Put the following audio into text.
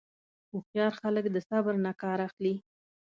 هوښیار خلک د صبر نه کار اخلي.